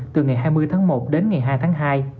từ ngày hai mươi tháng một đến ngày hai tháng hai